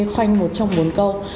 khoanh một trong bốn câu